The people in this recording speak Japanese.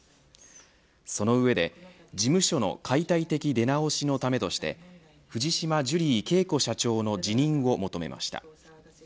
その上で事務所の解体的出直しのためとして藤島ジュリー景子社長の辞任を求めました。